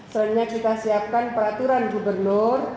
selanjutnya kita siapkan peraturan gubernur